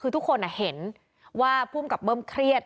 คือทุกคนเห็นว่าภูมิกับเบิ้มเครียด